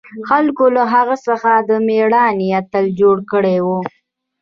خلقو له هغه څخه د مېړانې اتل جوړ کړى و.